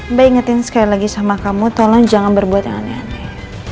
mbak ingetin sekali lagi sama kamu tolong jangan berbuat yang aneh aneh